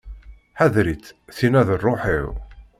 Ḥader-itt, tinna d rruḥ-iw.